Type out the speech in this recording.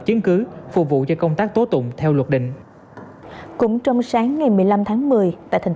chứng cứ phục vụ cho công tác tố tụng theo luật định cũng trong sáng ngày một mươi năm tháng một mươi tại thành